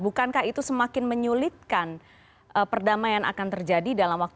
bukankah itu semakin menyulitkan perdamaian akan terjadi